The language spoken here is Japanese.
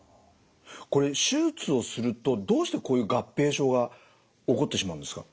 これ手術をするとどうしてこういう合併症が起こってしまうんですか？